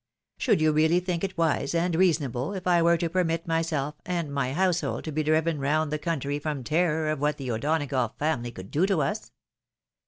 Should you really think it wise and reasonable if I were to permit myself and my household to be driven round the country from terror of what the O'Donagough family could do to us